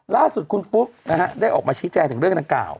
ล่าสุดคุณฟุ๊กนะฮะได้ออกมาชี้แจงถึงเรื่องดังกล่าว